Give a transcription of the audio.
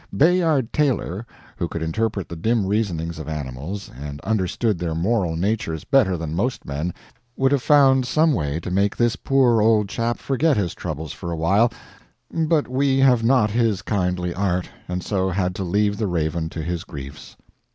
Bayard Taylor, who could interpret the dim reasonings of animals, and understood their moral natures better than most men, would have found some way to make this poor old chap forget his troubles for a while, but we have not his kindly art, and so had to leave the raven to his griefs.